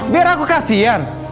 biar aku kasian